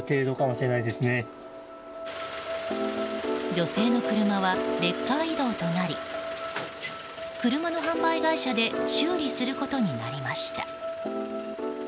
女性の車はレッカー移動となり車の販売会社で修理することになりました。